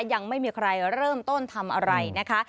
ยังไม่มีใครเริ่มต้นทำอะไรนะคะ